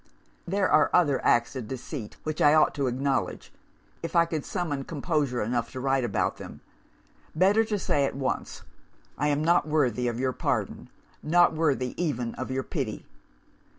"'There are other acts of deceit which I ought to acknowledge if I could summon composure enough to write about them. Better to say at once I am not worthy of your pardon, not worthy even of your pity.